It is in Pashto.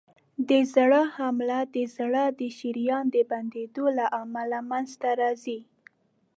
د زړه حمله د زړه د شریان د بندېدو له امله منځته راځي.